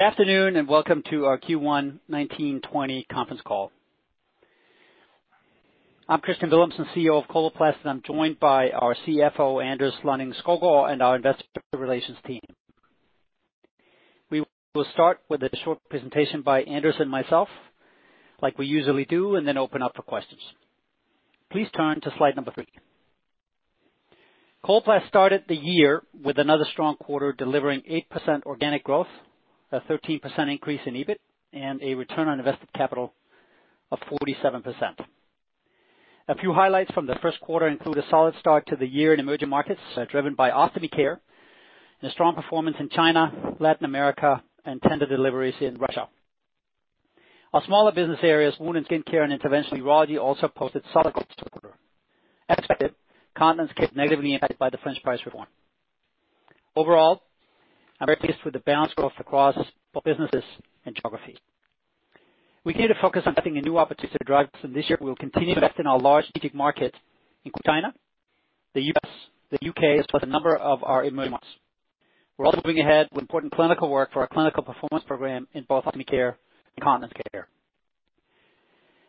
Good afternoon, welcome to our Q1 2019/20 conference call. I'm Kristian Villumsen, CEO of Coloplast, and I'm joined by our CFO, Anders Lonning-Skovgaard, and our investor relations team. We will start with a short presentation by Anders and myself, like we usually do, and then open up for questions. Please turn to slide number 3. Coloplast started the year with another strong quarter, delivering 8% organic growth, a 13% increase in EBIT, and a return on invested capital of 47%. A few highlights from the first quarter include a solid start to the year in emerging markets, driven by Ostomy Care and a strong performance in China, Latin America, and tender deliveries in Russia. Our smaller business areas, Wound & Skin Care and Interventional Urology, also posted solid expected, continents kept negatively impacted by the French price reform. Overall, I'm very pleased with the balanced growth across all businesses and geographies. We continue to focus on finding new opportunities to drive this, and this year we will continue to invest in our large strategic markets in China, the U.S., the U.K., as well as a number of our emerging markets. We're also moving ahead with important clinical work for our Clinical Performance Program in both Ostomy Care and Continence Care.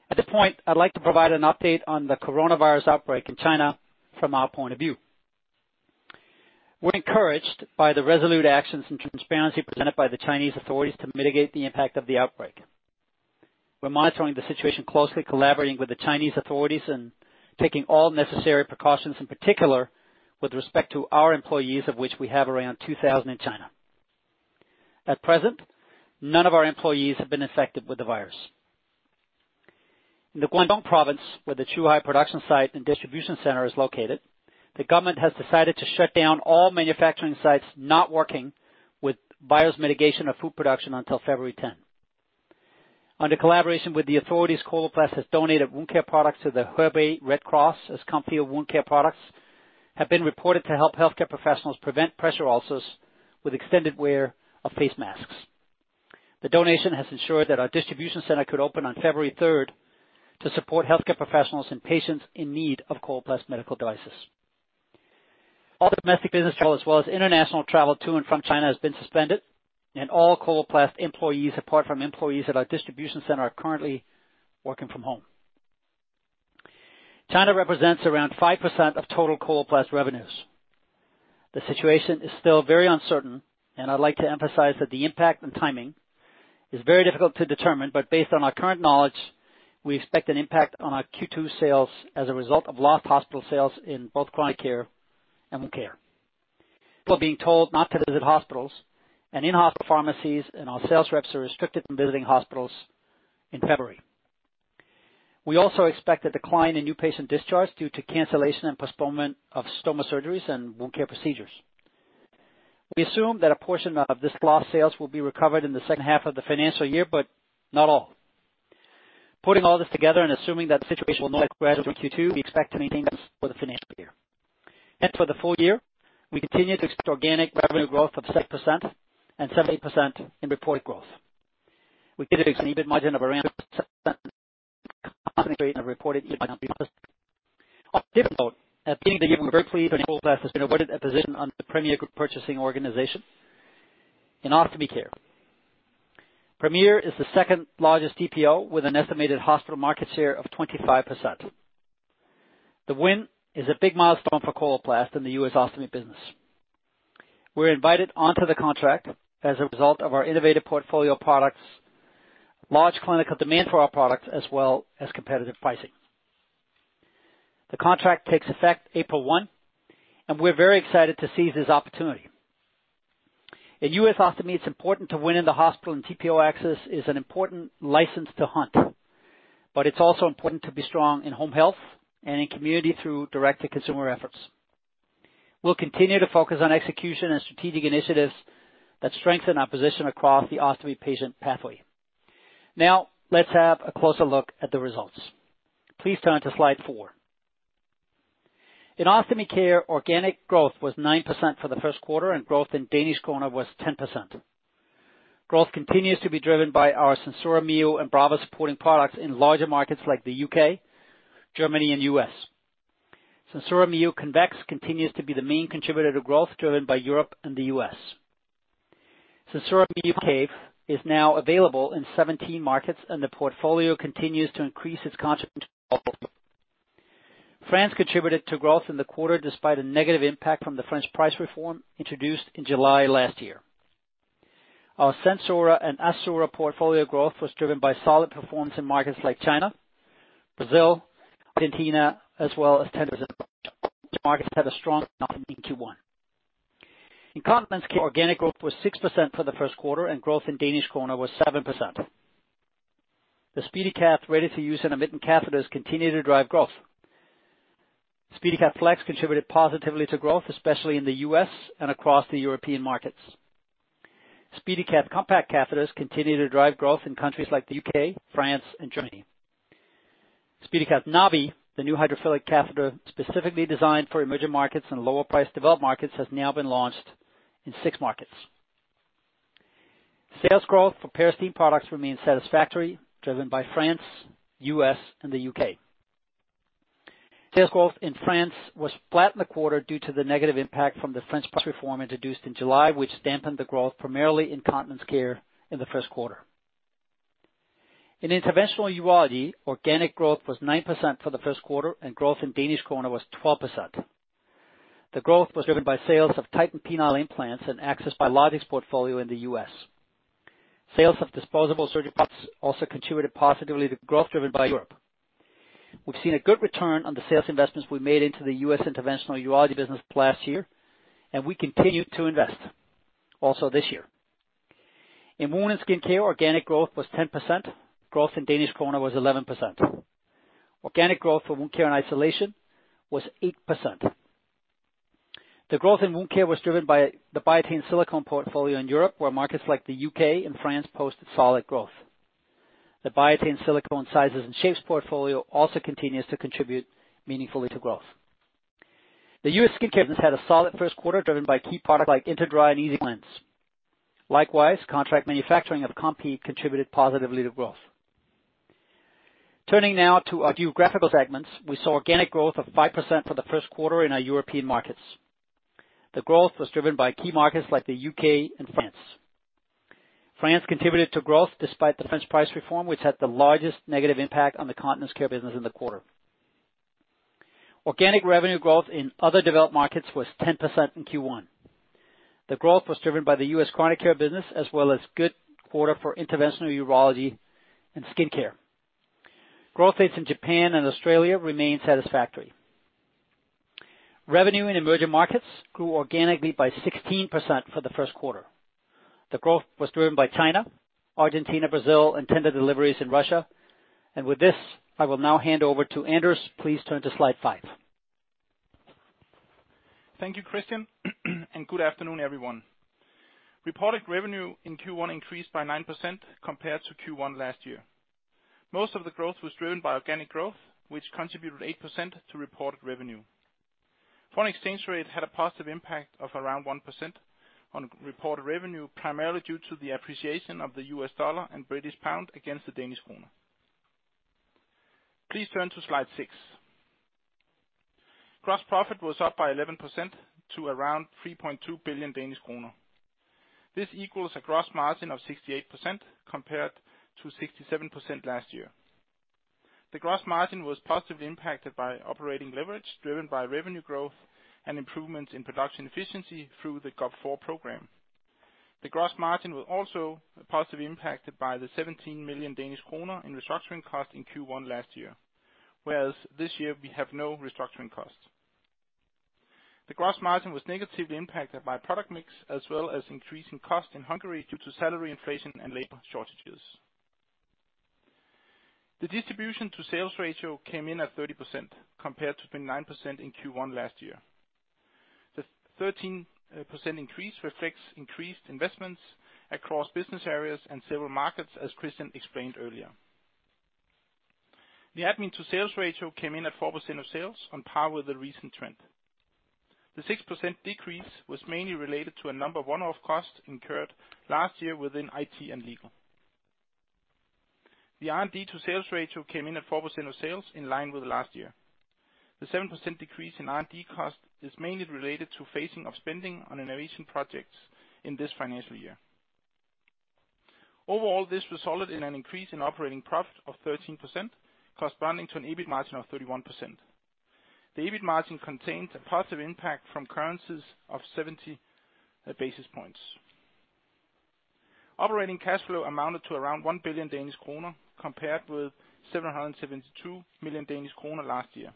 At this point, I'd like to provide an update on the coronavirus outbreak in China from our point of view. We're encouraged by the resolute actions and transparency presented by the Chinese authorities to mitigate the impact of the outbreak. We're monitoring the situation closely, collaborating with the Chinese authorities and taking all necessary precautions, in particular with respect to our employees, of which we have around 2,000 in China. At present, none of our employees have been infected with the virus. In the Guangdong province, where the Zhuhai production site and distribution center is located, the government has decided to shut down all manufacturing sites not working with virus mitigation or food production until February tenth. Under collaboration with the authorities, Coloplast has donated wound care products to the Hubei Red Cross, as Comfeel wound care products have been reported to help healthcare professionals prevent pressure ulcers with extended wear of face masks. The donation has ensured that our distribution center could open on February 3rd to support healthcare professionals and patients in need of Coloplast medical devices. All domestic business travel, as well as international travel to and from China, has been suspended, and all Coloplast employees, apart from employees at our distribution center, are currently working from home. China represents around 5% of total Coloplast revenues. The situation is still very uncertain, I'd like to emphasize that the impact and timing is very difficult to determine. Based on our current knowledge, we expect an impact on our Q2 sales as a result of lost hospital sales in both chronic care and wound care. People are being told not to visit hospitals and in-hospital pharmacies, our sales reps are restricted from visiting hospitals in February. We also expect a decline in new patient discharge due to cancellation and postponement of stoma surgeries and wound care procedures. We assume that a portion of this lost sales will be recovered in the second half of the financial year, but not all. Putting all this together, and assuming that the situation will gradually Q2, we expect to maintain for the financial year. For the full year, we continue to expect organic revenue growth of 6% and 7% in reported growth. We continue to see EBIT margin and a reported EBIT margin. On a different note, at the end of the year, we're very pleased that Coloplast has been awarded a position on the Premier Group Purchasing Organization in Ostomy Care. Premier is the second largest GPO, with an estimated hospital market share of 25%. The win is a big milestone for Coloplast in the U.S. ostomy business. We're invited onto the contract as a result of our innovative portfolio of products, large clinical demand for our products, as well as competitive pricing. The contract takes effect April 1, we're very excited to seize this opportunity. In U.S. ostomy, it's important to win in the hospital, TPO access is an important license to hunt, but it's also important to be strong in home health and in community through direct-to-consumer efforts. We'll continue to focus on execution and strategic initiatives that strengthen our position across the ostomy patient pathway. Now, let's have a closer look at the results. Please turn to slide 4. In Ostomy Care, organic growth was 9% for the first quarter, growth in Danish kroner was 10%. Growth continues to be driven by our SenSura Mio and Brava supporting products in larger markets like the U.K., Germany, and U.S. SenSura Mio Convex continues to be the main contributor to growth, driven by Europe and the U.S. SenSura Mio Concave is now available in 17 markets, the portfolio continues to increase its contribution. France contributed to growth in the quarter, despite a negative impact from the French price reform introduced in July last year. Our SenSura and Assura portfolio growth was driven by solid performance in markets like China, Brazil, Argentina, as well as 10%. Markets had a strong in Q1. In Continence Care, organic growth was 6% for the first quarter, and growth in DKK was 7%. The SpeediCath ready-to-use and intermittent catheters continue to drive growth. SpeediCath Flex contributed positively to growth, especially in the U.S. and across the European markets. SpeediCath Compact catheters continue to drive growth in countries like the U.K., France, and Germany. SpeediCath Navi, the new hydrophilic catheter specifically designed for emerging markets and lower priced developed markets, has now been launched in 6 markets. Sales growth for Peristeen products remains satisfactory, driven by France, U.S., and the U.K. Sales growth in France was flat in the quarter due to the negative impact from the French price reform introduced in July, which dampened the growth, primarily in Continence Care in the first quarter. In Interventional Urology, organic growth was 9% for the first quarter, and growth in Danish kroner was 12%. The growth was driven by sales of Titan Penile Implants and access by logistics portfolio in the U.S. Sales of disposable surgical products also contributed positively to growth driven by Europe. We've seen a good return on the sales investments we made into the U.S. Interventional Urology business last year, and we continue to invest also this year. In Wound & Skin Care, organic growth was 10%. Growth in Danish kroner was 11%. Organic growth for Wound Care and isolation was 8%. The growth in Wound Care was driven by the Biatain Silicone portfolio in Europe, where markets like the U.K. and France posted solid growth. The Biatain Silicone sizes and shapes portfolio also continues to contribute meaningfully to growth. The U.S. skincare business had a solid first quarter, driven by key products like InterDry and EasiCleanse. Likewise, contract manufacturing of Compeed contributed positively to growth. Turning now to our geographical segments, we saw organic growth of 5% for the first quarter in our European markets. The growth was driven by key markets like the U.K. and France. France contributed to growth despite the French price reform, which had the largest negative impact on the Continence Care business in the quarter. Organic revenue growth in other developed markets was 10% in Q1. The growth was driven by the U.S. chronic care business, as well as good quarter for Interventional Urology and skincare. Growth rates in Japan and Australia remain satisfactory. Revenue in emerging markets grew organically by 16% for the first quarter. The growth was driven by China, Argentina, Brazil, and tender deliveries in Russia. With this, I will now hand over to Anders. Please turn to slide 5. Thank you, Kristian. Good afternoon, everyone. Reported revenue in Q1 increased by 9% compared to Q1 last year. Most of the growth was driven by organic growth, which contributed 8% to reported revenue. Foreign exchange rate had a positive impact of around 1% on reported revenue, primarily due to the appreciation of the US dollar and British pound against the Danish kroner. Please turn to slide 6. Gross profit was up by 11% to around 3.2 billion Danish kroner. This equals a gross margin of 68% compared to 67% last year. The gross margin was positively impacted by operating leverage, driven by revenue growth and improvements in production efficiency through the GOP4 program. The gross margin was also positively impacted by the 17 million Danish kroner in restructuring costs in Q1 last year, whereas this year we have no restructuring costs. The gross margin was negatively impacted by product mix, as well as increasing costs in Hungary due to salary inflation and labor shortages. The distribution to sales ratio came in at 30%, compared to 29% in Q1 last year. The 13% increase reflects increased investments across business areas and several markets, as Christian explained earlier. The admin to sales ratio came in at 4% of sales, on par with the recent trend. The 6% decrease was mainly related to a number of one-off costs incurred last year within IT and legal. The R&D to sales ratio came in at 4% of sales, in line with last year. The 7% decrease in R&D cost is mainly related to phasing of spending on innovation projects in this financial year. Overall, this resulted in an increase in operating profit of 13%, corresponding to an EBIT margin of 31%. The EBIT margin contained a positive impact from currencies of 70 basis points. Operating cash flow amounted to around 1 billion Danish kroner, compared with 772 million Danish kroner last year,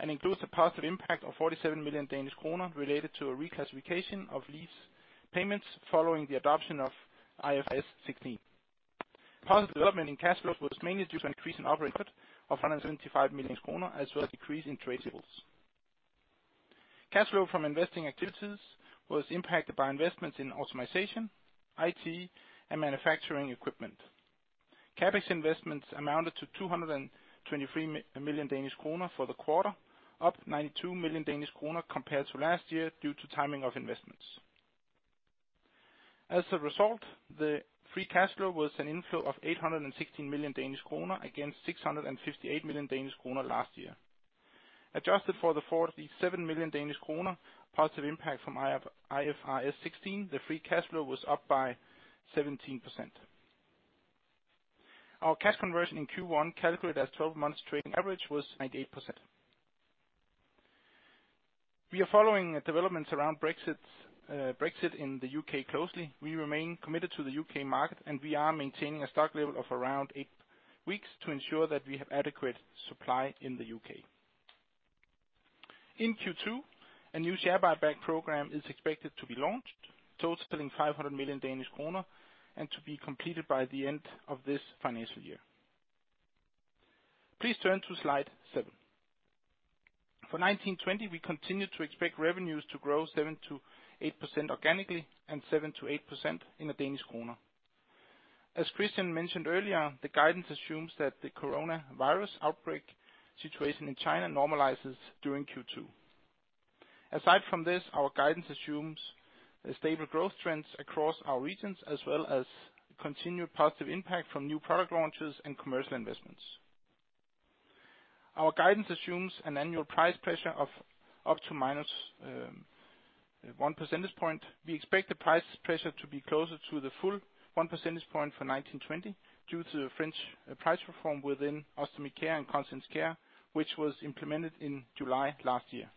and includes a positive impact of 47 million Danish kroner related to a reclassification of lease payments following the adoption of IFRS 16. Positive development in cash flows was mainly due to an increase in operating cost of 175 million kroner, as well as decrease in trade sales. Cash flow from investing activities was impacted by investments in optimization, IT, and manufacturing equipment. CapEx investments amounted to 223 million Danish kroner for the quarter, up 92 million Danish kroner compared to last year, due to timing of investments. As a result, the free cash flow was an inflow of 816 million Danish kroner, against 658 million Danish kroner last year. Adjusted for the 47 million Danish kroner positive impact from IFRS 16, the free cash flow was up by 17%. Our cash conversion in Q1, calculated as 12 months trading average, was 98%. We are following the developments around Brexit in the U.K. closely. We remain committed to the U.K. market, and we are maintaining a stock level of around 8 weeks to ensure that we have adequate supply in the U.K. In Q2, a new share buyback program is expected to be launched, totaling 500 million Danish kroner, and to be completed by the end of this financial year. Please turn to slide 7. For 2019/20, we continue to expect revenues to grow 7%-8% organically and 7%-8% in the Danish kroner. As Christian mentioned earlier, the guidance assumes that the coronavirus outbreak situation in China normalizes during Q2. Aside from this, our guidance assumes a stable growth trends across our regions, as well as continued positive impact from new product launches and commercial investments. Our guidance assumes an annual price pressure of up to minus 1 percentage point. We expect the price pressure to be closer to the full 1 percentage point for 2019/20, due to the French price reform within Ostomy Care and Continence Care, which was implemented in July last year.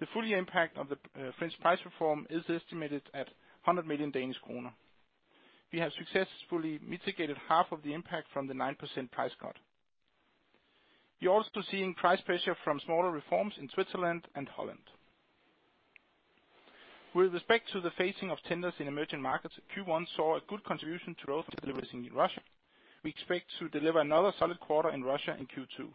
The full year impact of the French price reform is estimated at 100 million Danish kroner. We have successfully mitigated half of the impact from the 9% price cut. We're also seeing price pressure from smaller reforms in Switzerland and Holland. With respect to the facing of tenders in emerging markets, Q1 saw a good contribution to growth deliveries in Russia. We expect to deliver another solid quarter in Russia in Q2.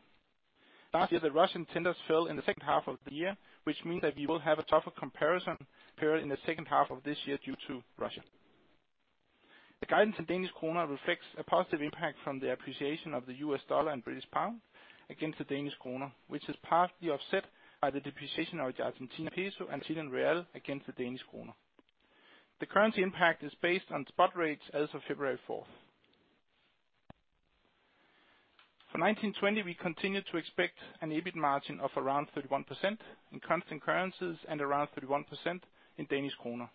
Last year, the Russian tenders fell in the second half of the year, which means that we will have a tougher comparison period in the second half of this year due to Russia. The guidance in Danish kroner reflects a positive impact from the appreciation of the US dollar and British pound against the Danish kroner, which is partly offset by the depreciation of the Argentine peso and Chilean peso against the Danish kroner. The currency impact is based on spot rates as of February 4. For 2019/20, we continue to expect an EBIT margin of around 31% in constant currencies and around 31% in DKK.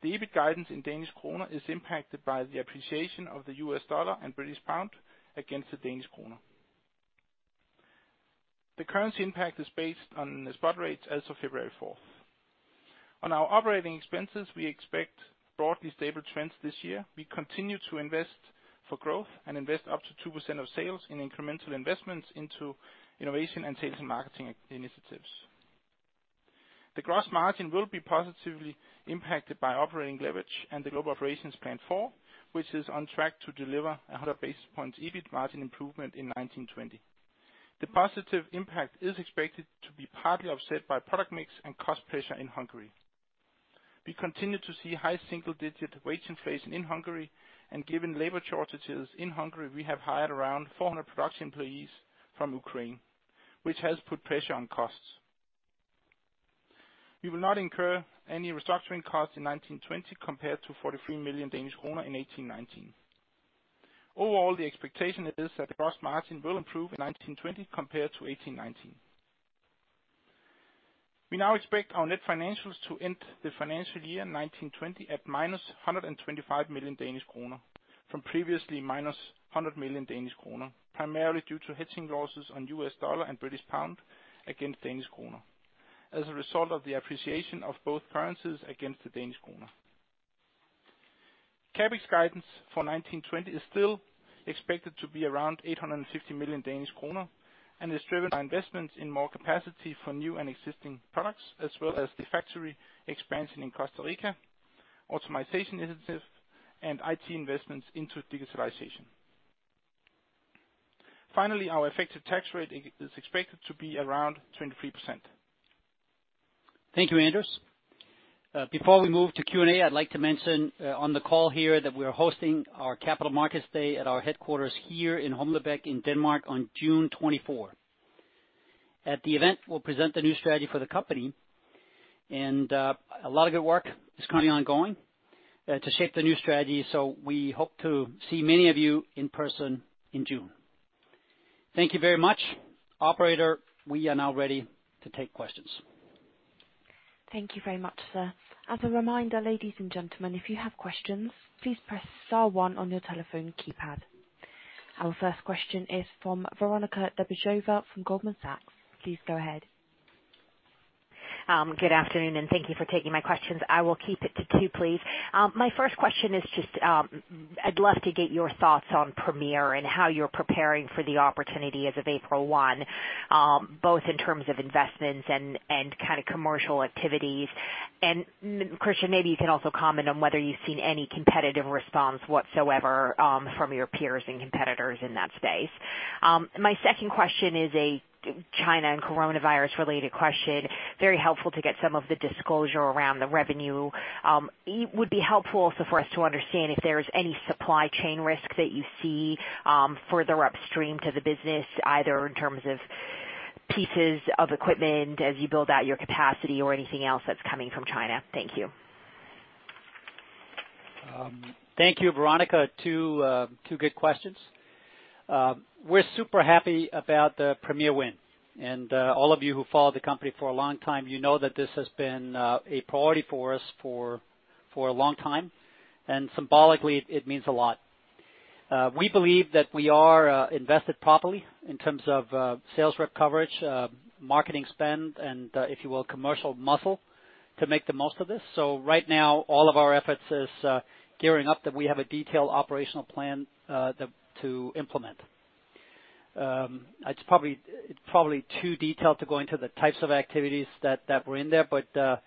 The EBIT guidance in DKK is impacted by the appreciation of the USD and GBP against the Danish kroner. The currency impact is based on the spot rates as of February fourth. On our OpEx, we expect broadly stable trends this year. We continue to invest for growth and invest up to 2% of sales in incremental investments into innovation and sales and marketing initiatives. The gross margin will be positively impacted by operating leverage and the Global Operations Plan Four, which is on track to deliver 100 basis points EBIT margin improvement in 2019/20. The positive impact is expected to be partly offset by product mix and cost pressure in Hungary. We continue to see high single-digit wage inflation in Hungary, and given labor shortages in Hungary, we have hired around 400 production employees from Ukraine, which has put pressure on costs. We will not incur any restructuring costs in 2019/20, compared to 43 million Danish kroner in 2018/19. Overall, the expectation is that the gross margin will improve in 2019/20 compared to 2018/19. We now expect our net financials to end the financial year 2019/20 at minus 125 million Danish kroner, from previously minus 100 million Danish kroner, primarily due to hedging losses on USD and GBP against DKK, as a result of the appreciation of both currencies against the DKK. CapEx guidance for 2019/20 is still expected to be around 850 million Danish kroner, and is driven by investments in more capacity for new and existing products, as well as the factory expansion in Costa Rica, automation initiatives, and IT investments into digitalization. Finally, our effective tax rate is expected to be around 23%. Thank you, Anders. Before we move to Q&A, I'd like to mention, on the call here that we are hosting our Capital Markets Day at our headquarters here in Humlebaek in Denmark on June 24th. At the event, we'll present the new strategy for the company, and a lot of good work is currently ongoing to shape the new strategy, so we hope to see many of you in person in June. Thank you very much. Operator, we are now ready to take questions. Thank you very much, sir. As a reminder, ladies and gentlemen, if you have questions, please press star one on your telephone keypad. Our first question is from Veronika Dubajova from Goldman Sachs. Please go ahead. Good afternoon, and thank you for taking my questions. I will keep it to two, please. My first question is just, I'd love to get your thoughts on Premier and how you're preparing for the opportunity as of April 1, both in terms of investments and kind of commercial activities. Kristian, maybe you can also comment on whether you've seen any competitive response whatsoever from your peers and competitors in that space. My second question is a China and coronavirus-related question. Very helpful to get some of the disclosure around the revenue. It would be helpful also for us to understand if there is any supply chain risk that you see further upstream to the business, either in terms of pieces of equipment as you build out your capacity or anything else that's coming from China. Thank you. Thank you, Veronika. Two good questions. We're super happy about the Premier win, all of you who followed the company for a long time, you know that this has been a priority for us for a long time, and symbolically, it means a lot. We believe that we are invested properly in terms of sales rep coverage, marketing spend, and, if you will, commercial muscle to make the most of this. Right now, all of our efforts is gearing up, that we have a detailed operational plan that to implement. It's probably too detailed to go into the types of activities that were in there, but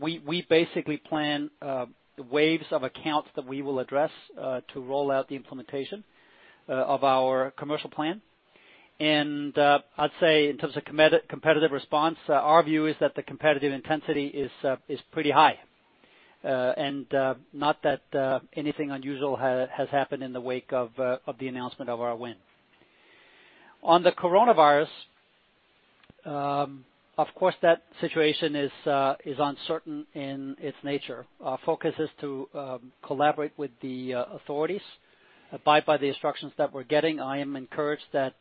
we basically plan waves of accounts that we will address to roll out the implementation of our commercial plan. I'd say in terms of competitive response, our view is that the competitive intensity is pretty high. Not that anything unusual has happened in the wake of the announcement of our win. On the coronavirus, of course, that situation is uncertain in its nature. Our focus is to collaborate with the authorities, abide by the instructions that we're getting. I am encouraged that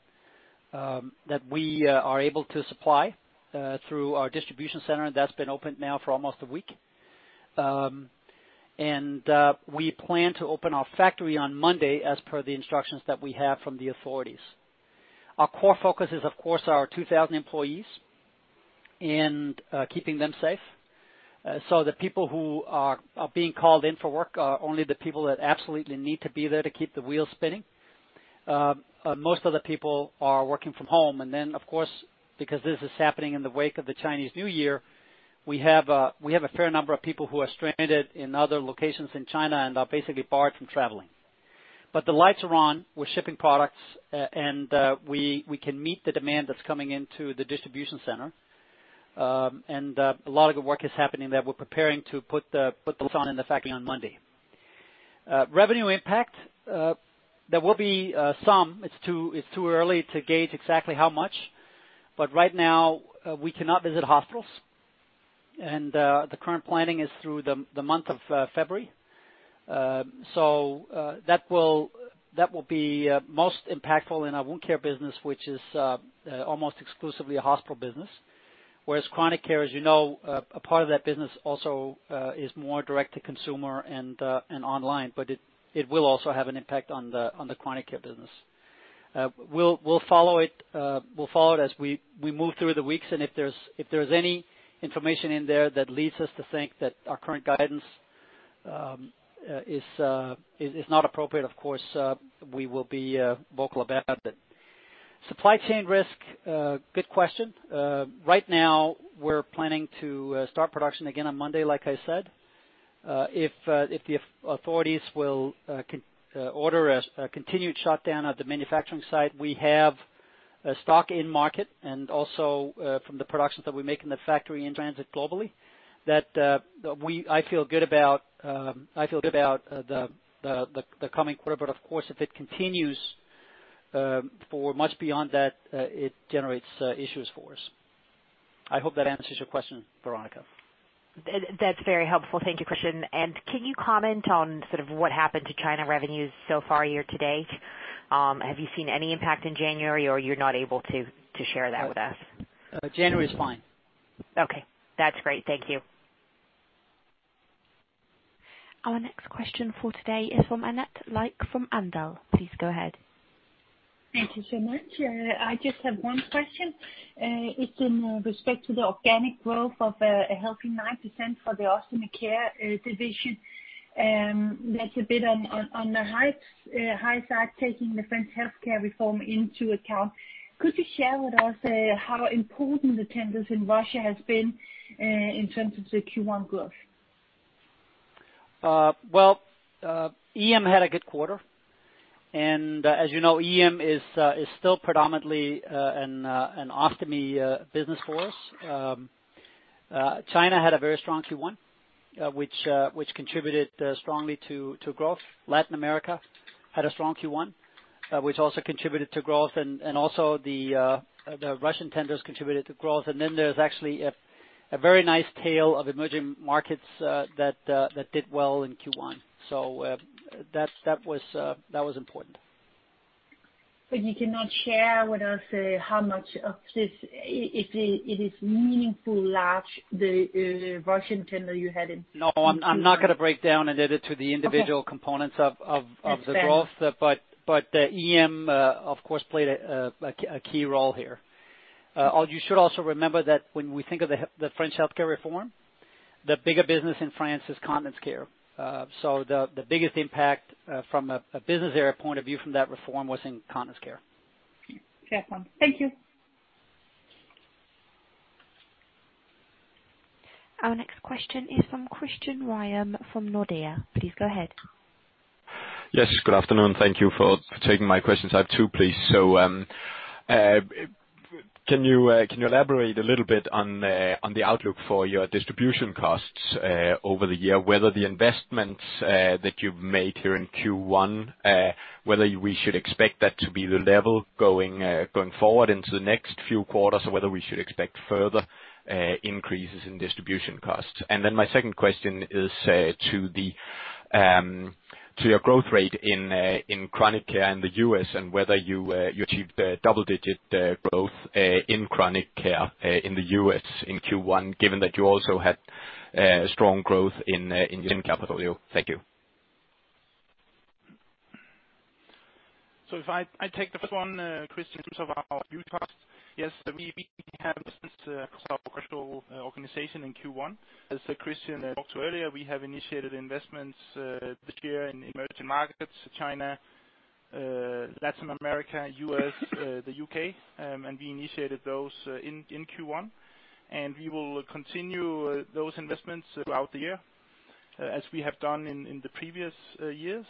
we are able to supply through our distribution center, and that's been open now for almost a week. We plan to open our factory on Monday as per the instructions that we have from the authorities. Our core focus is, of course, our 2,000 employees and keeping them safe. The people who are being called in for work are only the people that absolutely need to be there to keep the wheels spinning. Most of the people are working from home. Of course, because this is happening in the wake of the Chinese New Year, we have a fair number of people who are stranded in other locations in China and are basically barred from traveling. The lights are on, we're shipping products, and we can meet the demand that's coming into the distribution center. A lot of good work is happening that we're preparing to put those on in the factory on Monday. Revenue impact, there will be some. It's too early to gauge exactly how much, but right now, we cannot visit hospitals, and the current planning is through the month of February. That will be most impactful in our Wound & Skin Care business, which is almost exclusively a hospital business. Whereas chronic care, as you know, a part of that business also is more direct-to-consumer and online, but it will also have an impact on the chronic care business. We'll follow it as we move through the weeks, and if there's any information in there that leads us to think that our current guidance is not appropriate, of course, we will be vocal about it. Supply chain risk, good question. Right now, we're planning to start production again on Monday, like I said. If the authorities will order a continued shutdown of the manufacturing site, we have a stock in market and also, from the productions that we make in the factory in transit globally, that I feel good about, I feel good about the coming quarter. Of course, if it continues for much beyond that, it generates issues for us. I hope that answers your question, Veronika. That's very helpful. Thank you, Kristian. Can you comment on sort of what happened to China revenues so far year to date? Have you seen any impact in January, or you're not able to share that with us? January is fine. Okay. That's great. Thank you. Our next question for today is from Annette Lykke from Handelsbanken. Please go ahead. Thank you so much. I just have one question. It's in respect to the organic growth of a healthy 9% for the Ostomy Care division. That's a bit on the high side, taking the French healthcare reform into account. Could you share with us how important the tenders in Russia has been in terms of the Q1 growth? Well, EM had a good quarter. As you know, EM is still predominantly an ostomy business for us. China had a very strong Q1, which contributed strongly to growth. Latin America had a strong Q1, which also contributed to growth and also the Russian tenders contributed to growth. There's actually a very nice tail of emerging markets that did well in Q1. That was important. You cannot share with us how much of this, if it is meaningfully large, the Russian tender you had in? No, I'm not going to break down and edit to the individual components of the growth. Okay. EM, of course, played a key role here. You should also remember that when we think of the French price reform, the bigger business in France is Continence Care. The biggest impact from a business area point of view from that reform was in Continence Care. Fair point. Thank you. Our next question is from Christian Ryom from Nordea. Please go ahead. Yes, good afternoon. Thank you for taking my questions. I have two, please. Can you elaborate a little bit on the outlook for your distribution costs over the year? Whether the investments that you've made here in Q1, whether we should expect that to be the level going forward into the next few quarters, or whether we should expect further increases in distribution costs. My second question is to the growth rate in chronic care in the US and whether you achieved the double-digit growth in chronic care in the U.S. in Q1, given that you also had strong growth in portfolio? Thank you. If I take the first one, Christian, in terms of our new tasks. Yes, we have our commercial organization in Q1. As Christian talked to earlier, we have initiated investments this year in emerging markets, China, Latin America, U.S., the U.K., and we initiated those in Q1. We will continue those investments throughout the year, as we have done in the previous years.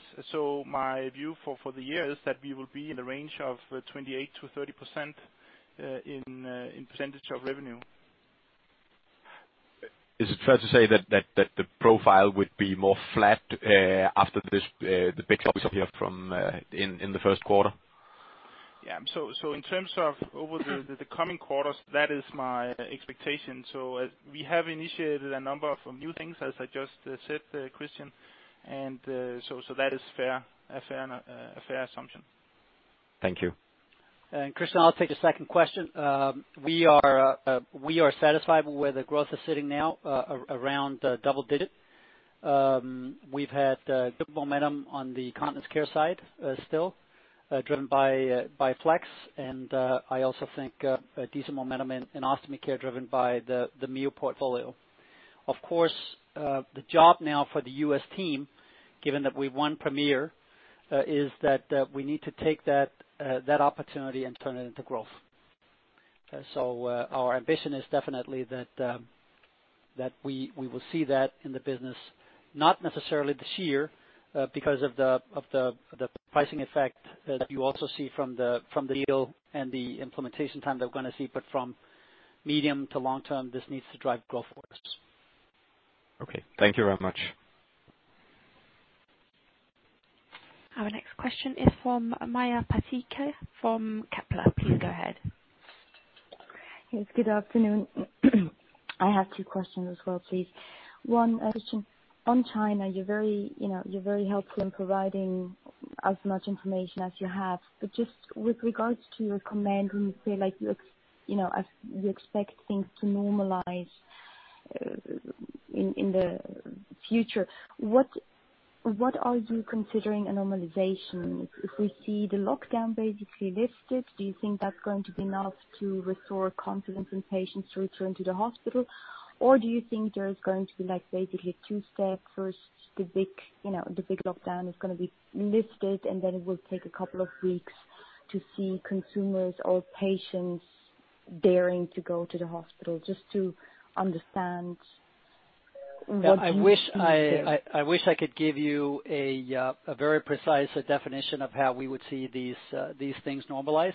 My view for the year is that we will be in the range of 28%-30% in percentage of revenue. Is it fair to say that the profile would be more flat after this the big topic here from in the first quarter? Yeah. In terms of over the coming quarters, that is my expectation. We have initiated a number of new things, as I just said, Christian. That is fair, a fair assumption. Thank you. Christian, I'll take the second question. We are satisfied with where the growth is sitting now, around double-digit. We've had good momentum on the Continence Care side, still driven by Flex, and I also think a decent momentum in Ostomy Care, driven by the Mio portfolio. Of course, the job now for the U.S. team, given that we've won Premier, is that we need to take that opportunity and turn it into growth. Our ambition is definitely that we will see that in the business, not necessarily this year, because of the pricing effect that you also see from the deal and the implementation time that we're gonna see, but from medium to long term, this needs to drive growth for us. Okay. Thank you very much. Our next question is from Maja Pataki from Kepler. Please go ahead. Yes, good afternoon. I have 2 questions as well, please. 1 question, on China, you're very, you know, you're very helpful in providing as much information as you have. Just with regards to your comment, when you say, like, look, you know, as you expect things to normalize in the future, what are you considering a normalization? If we see the lockdown basically lifted, do you think that's going to be enough to restore confidence in patients to return to the hospital? Do you think there is going to be, like, basically 2 steps, first, the big, you know, the big lockdown is going to be lifted, and then it will take a couple of weeks to see consumers or patients daring to go to the hospital, just to understand what you consider. I wish I could give you a very precise definition of how we would see these things normalize.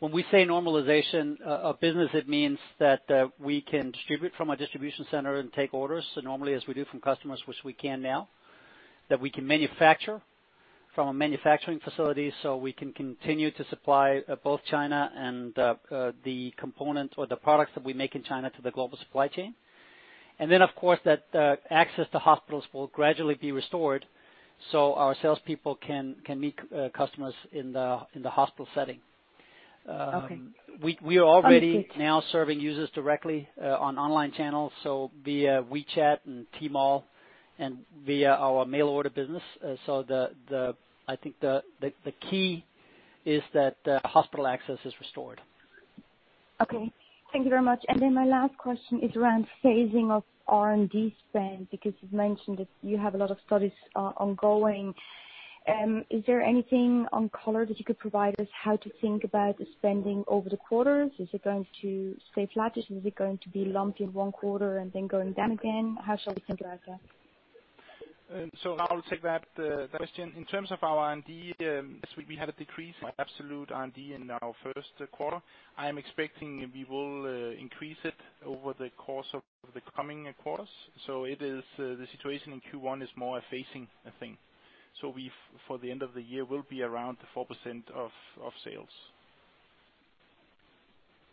When we say normalization of business, it means that we can distribute from a distribution center and take orders, so normally, as we do from customers, which we can now. That we can manufacture from a manufacturing facility, so we can continue to supply both China and the components or the products that we make in China to the global supply chain. Of course, that access to hospitals will gradually be restored, so our salespeople can meet customers in the hospital setting. Okay. We are already now serving users directly on online channels, so via WeChat and Tmall and via our mail order business. I think the key is that hospital access is restored. Okay. Thank you very much. My last question is around phasing of R&D spend, because you've mentioned that you have a lot of studies ongoing. Is there anything on color that you could provide us how to think about the spending over the quarters? Is it going to stay flat, or is it going to be lumped in one quarter and then going down again? How should we think about that? I'll take that question. In terms of our R&D, yes, we had a decrease in absolute R&D in our first quarter. I'm expecting we will increase it over the course of the coming quarters. It is, the situation in Q1 is more a phasing thing. For the end of the year, will be around 4% of sales.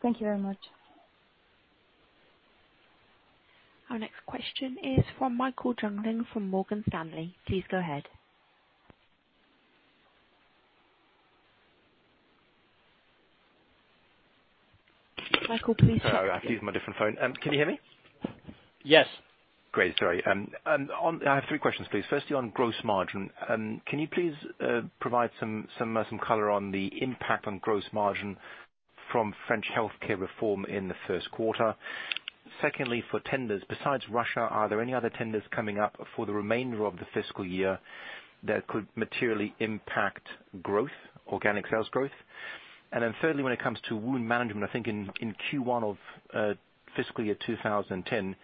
Thank you very much. Our next question is from Michael Jüngling, from Morgan Stanley. Please go ahead. Michael, please. Sorry, I'm using my different phone. Can you hear me? Yes. Great. Sorry. I have 3 questions, please. Firstly, on gross margin, can you please provide some color on the impact on gross margin from French price reform in the first quarter? Secondly, for tenders, besides Russia, are there any other tenders coming up for the remainder of the fiscal year that could materially impact growth, organic sales growth? Thirdly, when it comes to Wound & Skin Care, I think in Q1 of fiscal year 2010,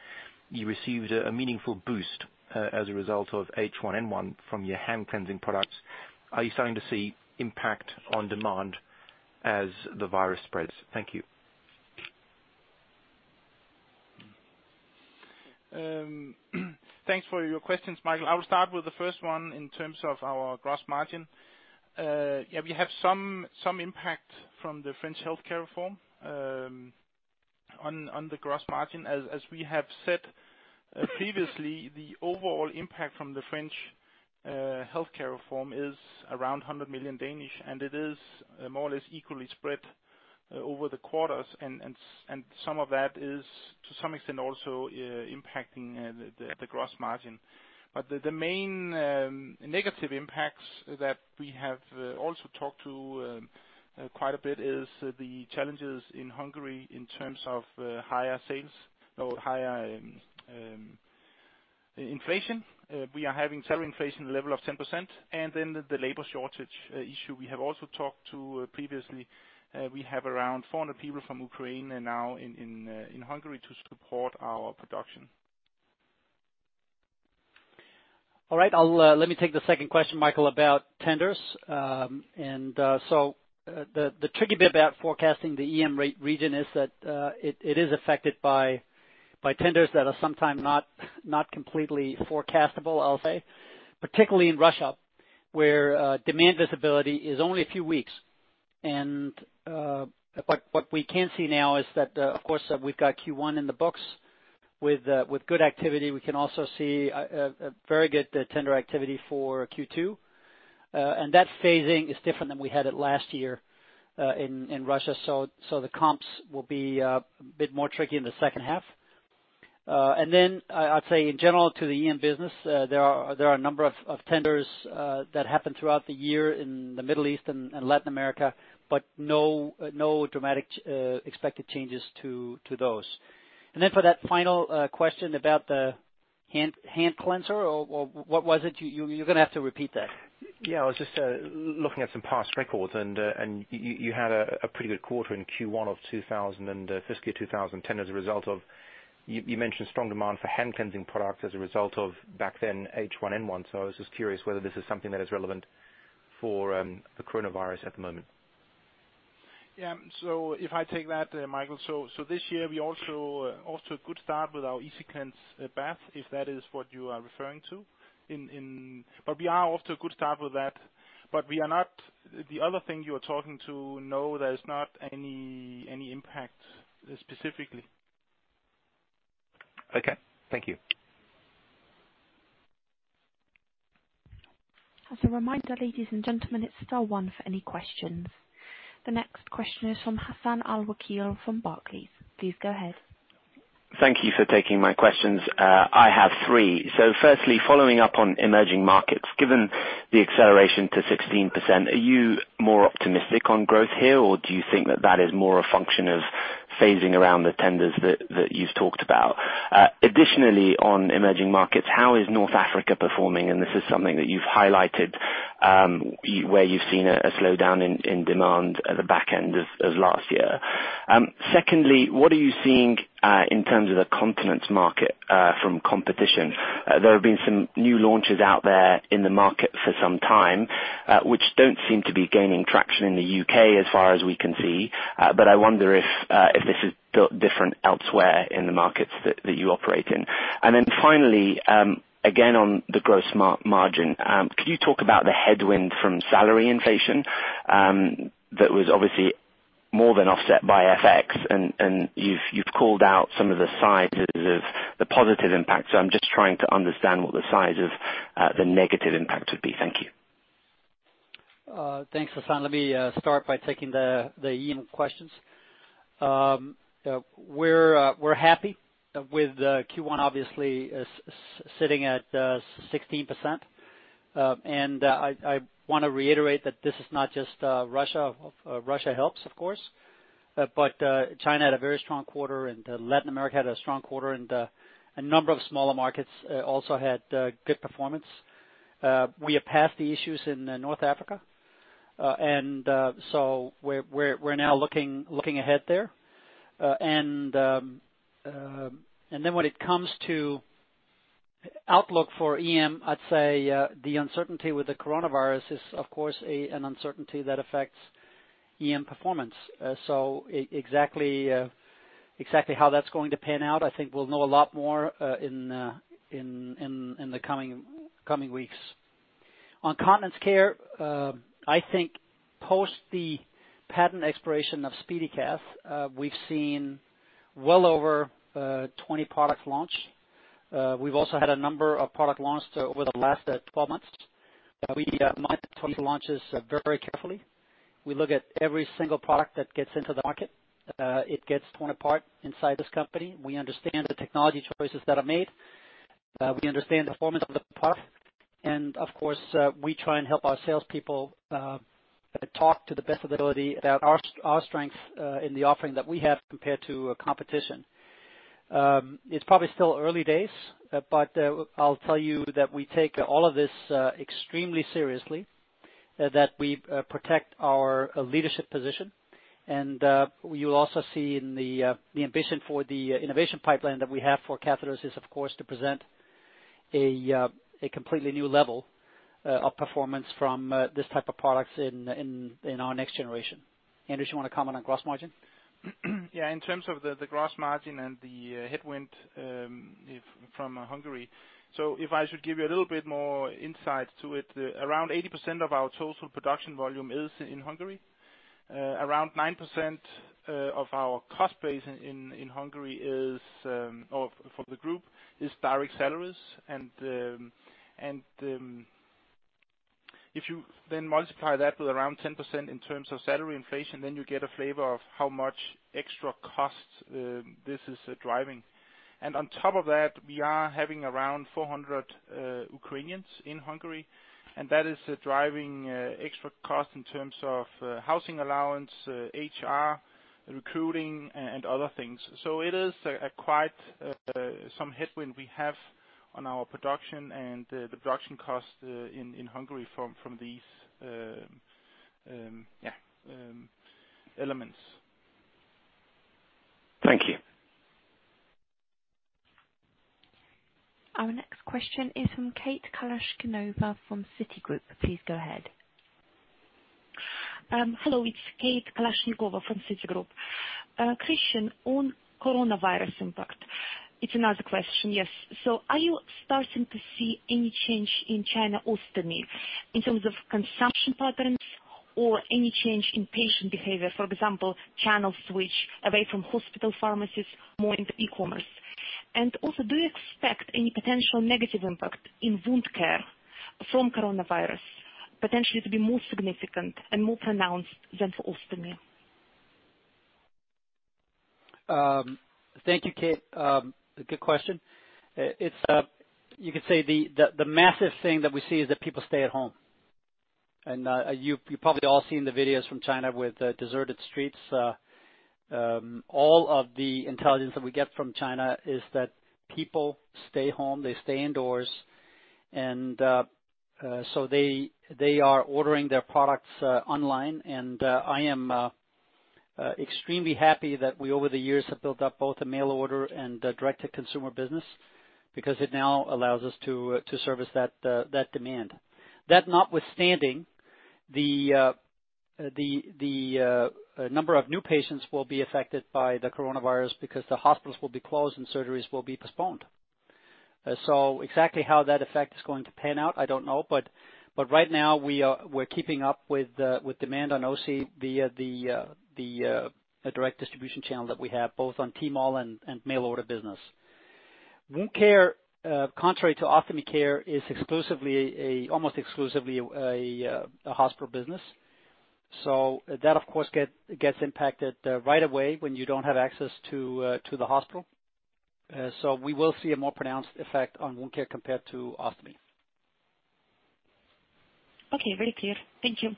you received a meaningful boost as a result of H1N1 from your hand cleansing products. Are you starting to see impact on demand as the virus spreads? Thank you. Thanks for your questions, Michael. I'll start with the first one in terms of our gross margin. We have some impact from the French Healthcare Reform on the gross margin. As we have said previously, the overall impact from the French Healthcare Reform is around 100 million, and it is more or less equally spread over the quarters. Some of that is, to some extent, also impacting the gross margin. The main negative impacts that we have also talked to quite a bit, is the challenges in Hungary in terms of higher inflation. We are having salary inflation in the level of 10%, then the labor shortage issue, we have also talked to previously. We have around 400 people from Ukraine and now in Hungary to support our production. All right, I'll let me take the second question, Michael, about tenders. The tricky bit about forecasting the EM region is that it is affected by tenders that are sometimes not completely forecastable, I'll say, particularly in Russia, where demand visibility is only a few weeks. What we can see now is that of course, we've got Q1 in the books with good activity. We can also see a very good tender activity for Q2. That phasing is different than we had it last year in Russia, the comps will be a bit more tricky in the second half. I'd say in general to the EM business, there are a number of tenders that happen throughout the year in the Middle East and Latin America, but no dramatic expected changes to those. For that final question about the hand cleanser, or what was it? You're gonna have to repeat that. Yeah, I was just looking at some past records, and you had a pretty good quarter in Q1 of fiscal year 2010, as a result of, you mentioned strong demand for hand cleansing products as a result of, back then, H1N1. I was just curious whether this is something that is relevant for the coronavirus at the moment? If I take that, Michael. This year, we also, off to a good start with our EasiCleanse bath, if that is what you are referring to. We are off to a good start with that, but we are not. The other thing you are talking to, no, there is not any impact specifically. Okay. Thank you. As a reminder, ladies and gentlemen, it's star one for any questions. The next question is from Hassan Al-Wakeel from Barclays. Please go ahead. Thank you for taking my questions. I have three. Firstly, following up on emerging markets, given the acceleration to 16%, are you more optimistic on growth here, or do you think that is more a function of phasing around the tenders that you've talked about? Additionally, on emerging markets, how is North Africa performing? This is something that you've highlighted, where you've seen a slowdown in demand at the back end of last year. Secondly, what are you seeing in terms of the Continence Care market from competition? There have been some new launches out there in the market for some time, which don't seem to be gaining traction in the U.K. as far as we can see. I wonder if this is built different elsewhere in the markets that you operate in. Finally, again, on the gross margin, could you talk about the headwind from salary inflation? That was obviously more than offset by FX, and you've called out some of the sizes of the positive impact. I'm just trying to understand what the size of the negative impact would be. Thank you. Thanks, Hassan. Let me start by taking the EM questions. We're happy with Q1 obviously, sitting at 16%. And I want to reiterate that this is not just Russia. Russia helps, of course, but China had a very strong quarter, and Latin America had a strong quarter, and a number of smaller markets also had good performance. We have passed the issues in North Africa, and so we're looking ahead there. And then when it comes to outlook for EM, I'd say the uncertainty with the coronavirus is, of course, an uncertainty that affects EM performance. Exactly, exactly how that's going to pan out, I think we'll know a lot more, in the coming weeks. On Continence Care, I think post the patent expiration of SpeediCath, we've seen well over 20 products launch. We've also had a number of product launched over the last 12 months. We monitor these launches very carefully. We look at every single product that gets into the market. It gets torn apart inside this company. We understand the technology choices that are made. We understand the performance of the product, and of course, we try and help our salespeople talk to the best of their ability about our strength, in the offering that we have compared to competition. It's probably still early days, but I'll tell you that we take all of this extremely seriously, that we protect our leadership position. You'll also see in the ambition for the innovation pipeline that we have for catheters is, of course, to present a completely new level of performance from this type of products in our next generation. Anders, you want to comment on gross margin? Yeah, in terms of the gross margin and the headwind if from Hungary. If I should give you a little bit more insight to it, around 80% of our total production volume is in Hungary. Around 9% of our cost base in Hungary is or for the group, is direct salaries. If you multiply that with around 10% in terms of salary inflation, you get a flavor of how much extra cost this is driving. On top of that, we are having around 400 Ukrainians in Hungary, and that is driving extra cost in terms of housing allowance, HR, recruiting and other things. It is a quite some headwind we have on our production and the production cost in Hungary from these elements. Our next question is from Kate Kalashnikova from Citigroup. Please go ahead. Hello, it's Kate Kalashnikova from Citigroup. Christian, on coronavirus impact, it's another question. Are you starting to see any change in China ostomy, in terms of consumption patterns or any change in patient behavior? For example, channel switch away from hospital pharmacies, more into e-commerce. Do you expect any potential negative impact in Wound Care from coronavirus, potentially to be more significant and more pronounced than for ostomy? Thank you, Kate. A good question. It's, you could say the massive thing that we see is that people stay at home. You've probably all seen the videos from China with deserted streets. All of the intelligence that we get from China is that people stay home, they stay indoors, they are ordering their products online. I am extremely happy that we, over the years, have built up both a mail order and a direct-to-consumer business, because it now allows us to service that demand. That notwithstanding, the number of new patients will be affected by the coronavirus because the hospitals will be closed and surgeries will be postponed. Exactly how that effect is going to pan out, I don't know. Right now, we're keeping up with demand on OC via the direct distribution channel that we have, both on Tmall and mail order business. Wound Care, contrary to Ostomy Care, is exclusively, almost exclusively a hospital business. That, of course, gets impacted right away when you don't have access to the hospital. We will see a more pronounced effect on Wound Care compared to Ostomy. Okay, very clear. Thank you.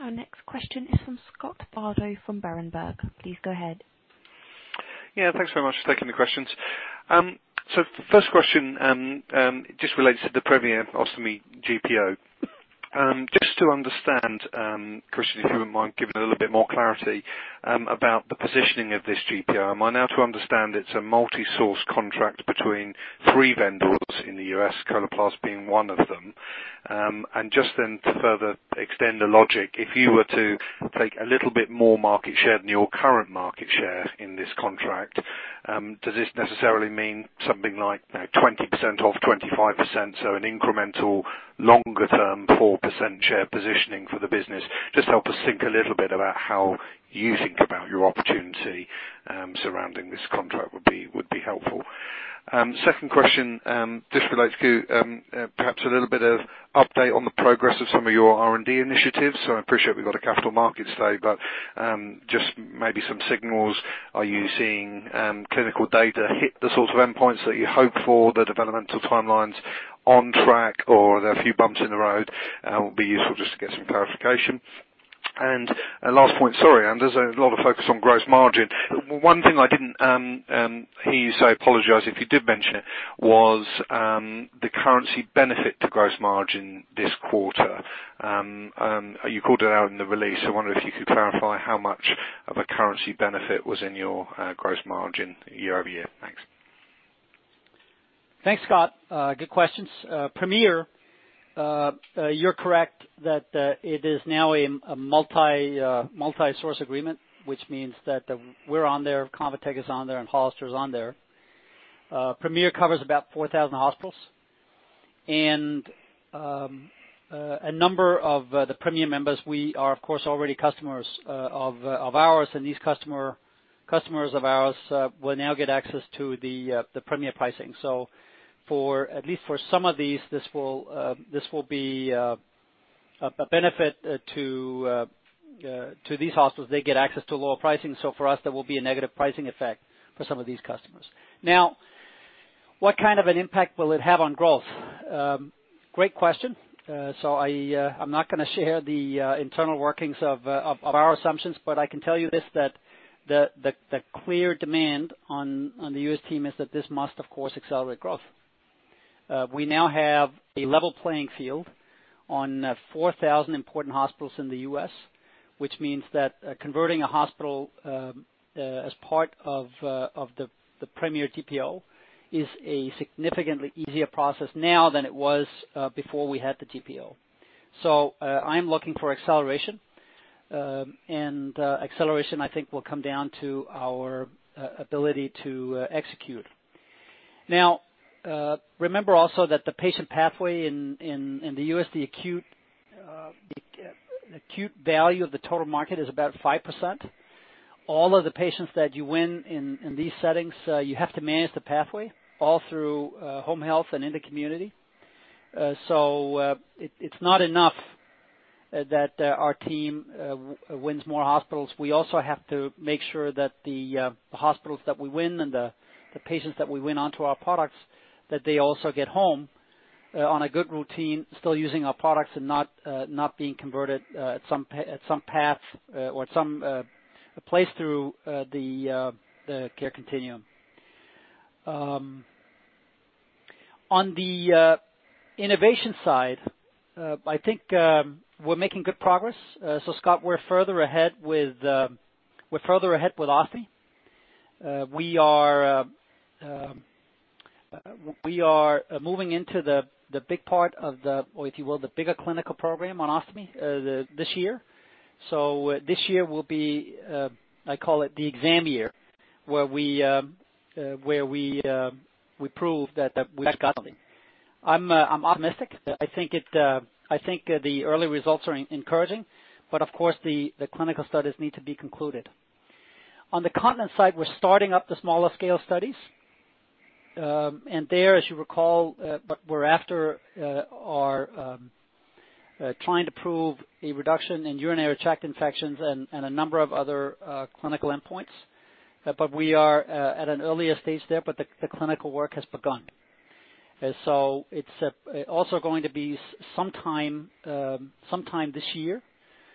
Our next question is from Scott Bardo from Berenberg. Please go ahead. Yeah, thanks very much for taking the questions. The first question, just relates to the Premier Ostomy GPO. Just to understand, Christian, if you wouldn't mind giving a little bit more clarity about the positioning of this GPO. Am I now to understand it's a multi-source contract between 3 vendors in the U.S., Coloplast being one of them? Just then to further extend the logic, if you were to take a little bit more market share than your current market share in this contract, does this necessarily mean something like, you know, 20% off, 25%, so an incremental, longer-term 4% share positioning for the business? Just help us think a little bit about how you think about your opportunity surrounding this contract would be, would be helpful. Second question, just relates to perhaps a little bit of update on the progress of some of your R&D initiatives. I appreciate we've got a capital market today, but just maybe some signals. Are you seeing clinical data hit the sorts of endpoints that you hope for, the developmental timelines on track, or are there a few bumps in the road? It will be useful just to get some clarification. A last point, sorry, and there's a lot of focus on gross margin. One thing I didn't hear you say, I apologize if you did mention it, was the currency benefit to gross margin this quarter. You called it out in the release. I wonder if you could clarify how much of a currency benefit was in your gross margin year-over-year. Thanks. Thanks, Scott. Good questions. Premier, you're correct that it is now a multi-source agreement, which means that we're on there, ConvaTec is on there, and Hollister is on there. Premier covers about 4,000 hospitals, and a number of the Premier members, we are, of course, already customers of ours, and these customers of ours will now get access to the Premier pricing. For, at least for some of these, this will be a benefit to these hospitals. They get access to lower pricing. For us, there will be a negative pricing effect for some of these customers. What kind of an impact will it have on growth? Great question. So I'm not gonna share the internal workings of our assumptions, but I can tell you this, that the clear demand on the U.S. team is that this must, of course, accelerate growth. We now have a level playing field on 4,000 important hospitals in the U.S., which means that converting a hospital as part of the Premier GPO is a significantly easier process now than it was before we had the GPO. I'm looking for acceleration, and acceleration, I think, will come down to our ability to execute. Remember also that the patient pathway in the U.S., the acute value of the total market is about 5%. All of the patients that you win in these settings, you have to manage the pathway all through home health and in the community. It's not enough that our team wins more hospitals. We also have to make sure that the hospitals that we win and the patients that we win onto our products, that they also get home on a good routine, still using our products and not being converted at some path or at some place through the care continuum. On the innovation side, I think we're making good progress. Scott, we're further ahead with ostomy. We are moving into the big part of the, or if you will, the bigger clinical program on ostomy this year. This year will be I call it the exam year, where we prove that we've got something. I'm optimistic. I think it I think the early results are encouraging, but of course, the clinical studies need to be concluded. On the continent side, we're starting up the smaller scale studies. And there, as you recall, what we're after are trying to prove a reduction in urinary tract infections and a number of other clinical endpoints. But we are at an earlier stage there, but the clinical work has begun. It's also going to be some time, some time this year,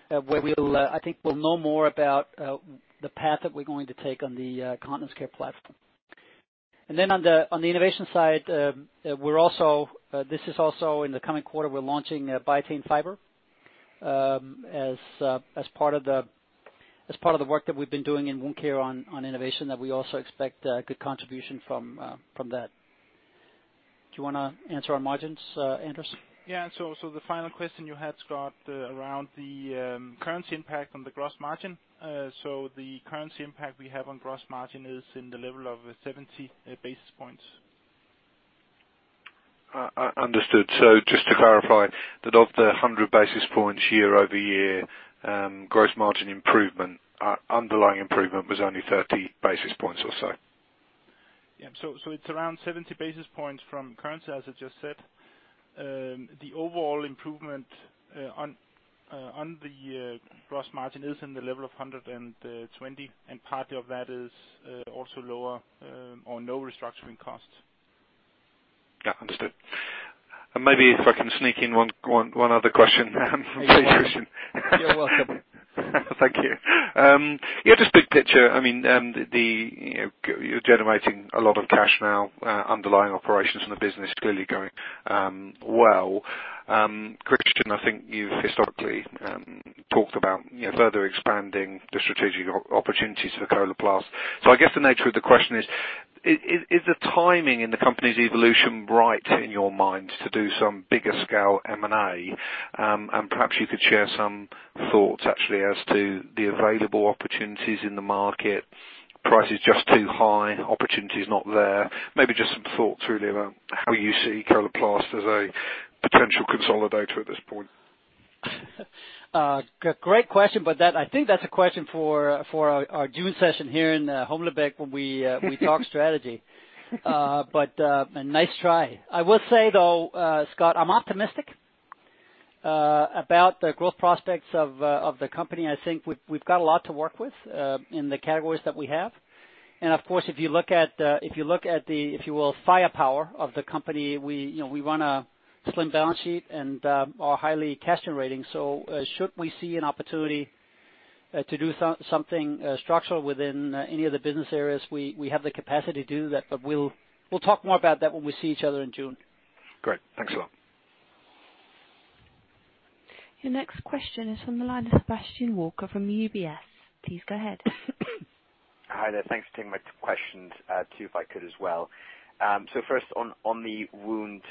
where we'll, I think we'll know more about the path that we're going to take on the Continence Care platform. On the innovation side, we're also. This is also in the coming quarter, we're launching Biatain Fiber, as part of the, as part of the work that we've been doing in wound care on innovation, that we also expect good contribution from that. Do you wanna answer on margins, Anders? Yeah. The final question you had, Scott, around the currency impact on the gross margin. The currency impact we have on gross margin is in the level of 70 basis points. Understood. Just to clarify, that of the 100 basis points year-over-year, gross margin improvement, underlying improvement was only 30 basis points or so? It's around 70 basis points from currency, as I just said. The overall improvement on the gross margin is in the level of 120, and part of that is also lower or no restructuring costs. Yeah, understood. Maybe if I can sneak in one other question from situation. You're welcome. Thank you. Just big picture, you're generating a lot of cash now, underlying operations, the business is clearly going well. Christian, I think you've historically talked about further expanding the strategic opportunities for Coloplast. I guess the nature of the question is the timing in the company's evolution right in your mind to do some bigger scale M&A? Perhaps you could share some thoughts actually, as to the available opportunities in the market. Price is just too high, opportunity is not there. Maybe just some thoughts really about how you see Coloplast as a potential consolidator at this point. Great question, I think that's a question for our June session here in Humlebaek, when we talk strategy. Nice try. I will say, though, Scott, I'm optimistic about the growth prospects of the company. I think we've got a lot to work with in the categories that we have. Of course, if you look at the, if you will, firepower of the company, we, you know, we run a slim balance sheet and are highly cash generating. Should we see an opportunity to do something structural within any of the business areas, we have the capacity to do that, but we'll talk more about that when we see each other in June. Great. Thanks a lot. Your next question is from the line of Sebastian Walker from UBS. Please go ahead. Hi there. Thanks for taking my questions, 2, if I could as well. First on the Wound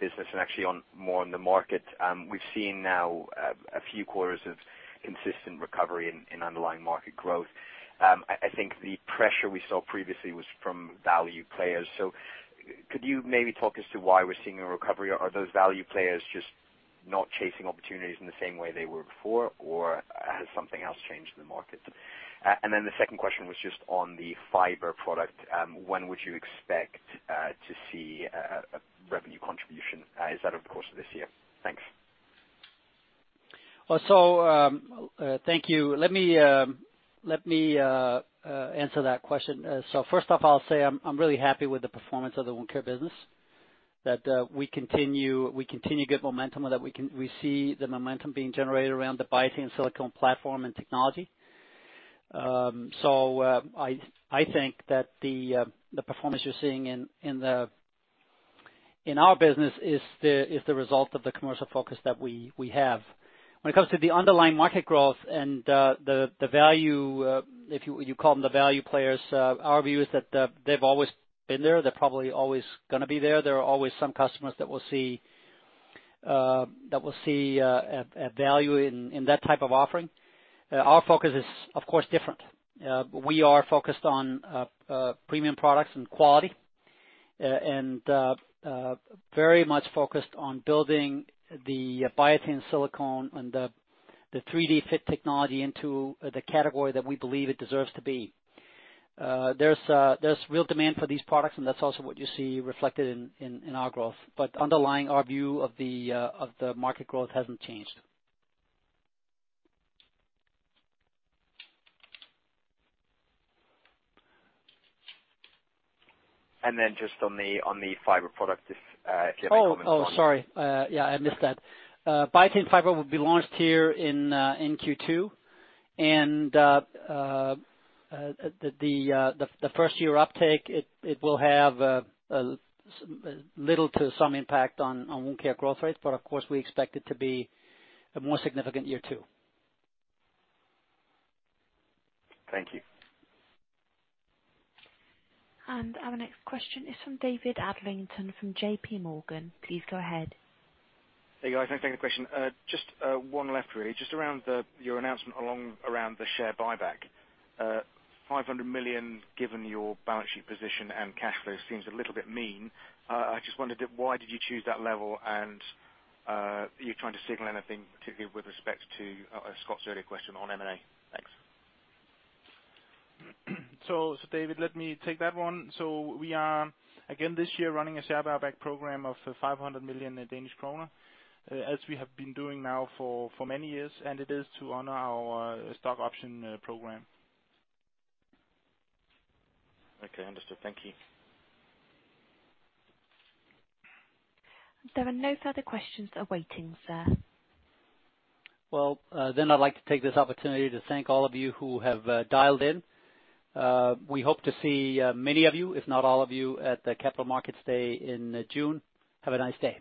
business and actually on more on the market, we've seen now a few quarters of consistent recovery in underlying market growth. I think the pressure we saw previously was from value players. Could you maybe talk as to why we're seeing a recovery? Are those value players just not chasing opportunities in the same way they were before, or has something else changed in the market? Then the second question was just on the fiber product. When would you expect to see a revenue contribution? Is that over the course of this year? Thanks. Well, thank you. Let me answer that question. First off, I'm really happy with the performance of the Wound & Skin Care business. That, we continue good momentum, and that we see the momentum being generated around the Biatain Silicone platform and technology. I think that the performance you're seeing in the, in our business is the result of the commercial focus that we have. When it comes to the underlying market growth and the value, if you call them the value players, our view is that they've always been there. They're probably always gonna be there. There are always some customers that will see a value in that type of offering. Our focus is, of course, different. We are focused on premium products and quality and very much focused on building the Biatain Silicone and the 3DFit technology into the category that we believe it deserves to be. There's real demand for these products, and that's also what you see reflected in our growth. Underlying our view of the market growth hasn't changed. Just on the, on the fiber product, if you have any comments on it. Oh, sorry. Yeah, I missed that. Biatain Fiber will be launched here in Q2, and the first year uptake, it will have little to some impact on wound care growth rate, but of course, we expect it to be a more significant year 2. Thank you. Our next question is from David Adlington, from JPMorgan. Please go ahead. Hey, guys, thanks for taking the question. Just one left, really. Just around the, your announcement along, around the share buyback. 500 million, given your balance sheet position and cash flow seems a little bit mean. I just wondered, why did you choose that level? Are you trying to signal anything, particularly with respect to Scott's earlier question on M&A? Thanks. David, let me take that one. We are, again, this year, running a share buyback program of 500 million Danish kroner, as we have been doing now for many years, and it is to honor our stock option program. Okay, understood. Thank you. There are no further questions awaiting, sir. Well, then I'd like to take this opportunity to thank all of you who have dialed in. We hope to see many of you, if not all of you, at the Capital Markets Day in June. Have a nice day.